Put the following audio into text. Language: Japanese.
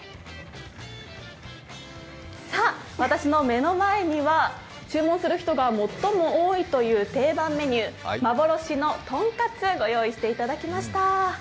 さあ、私の目の前には注文する人が最も多いという定番メニュー、幻のとんかつ御用意していただきました。